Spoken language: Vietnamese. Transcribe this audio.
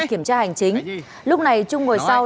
kiểm tra hành chính lúc này trung ngồi sau